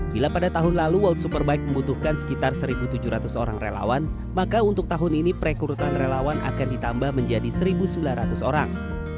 bila pada tahun lalu world superbike membutuhkan sekitar satu tujuh ratus orang relawan maka untuk tahun ini perekrutan relawan akan ditambah menjadi satu sembilan ratus orang